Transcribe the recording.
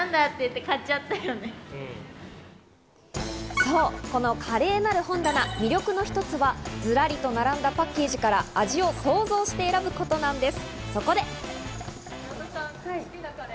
そう、このカレーなる本棚の魅力の一つはずらりと並んだパッケージから味を想像して選ぶことなんです。